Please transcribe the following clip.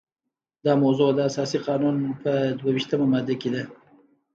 دا موضوع د اساسي قانون په دوه ویشتمه ماده کې ده.